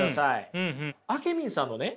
あけみんさんのね